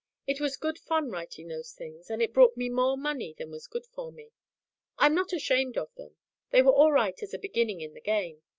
It was good fun writing those things, and it brought me more money than was good for me. I'm not ashamed of them; they were all right as a beginning in the game.